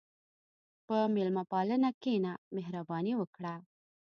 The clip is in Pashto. په میلمهپالنه کښېنه، مهرباني وکړه.